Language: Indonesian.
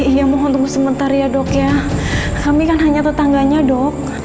iya mohon tunggu sementara ya dok ya kami kan hanya tetangganya dok